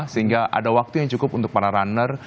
sehingga ada waktu yang cukup untuk para runner